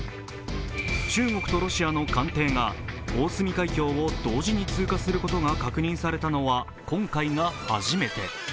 中国とロシアの艦艇が大隅海峡を同時に通過することが確認されたのは今回が初めて。